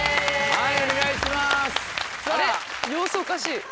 はい。